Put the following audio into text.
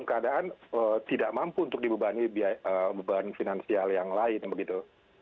buruh sih sekarang dalam keadaan tidak mampu untuk dibebani beban finansial yang lain begitu